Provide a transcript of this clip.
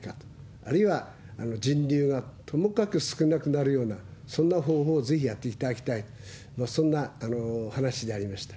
あるいは人流がともかく少なくなるような、そんな方法をぜひやっていただきたい、そんな話でありました。